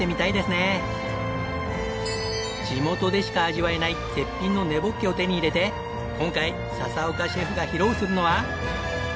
地元でしか味わえない絶品の根ボッケを手に入れて今回笹岡シェフが披露するのは。